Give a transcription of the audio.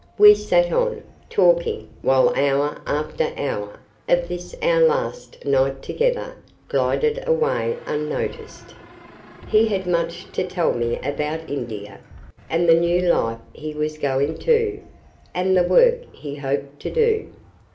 We sat on, talking, while hour after hour, of this our last night together, glided away unnoticed. He had much to tell me about India, and the new life he was going to, and the work he hoped to do.